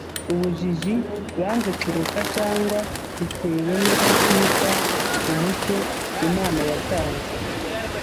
’ubujiji banze kureka, cyangwa bitewe no kutita ku mucyo Imana yatanze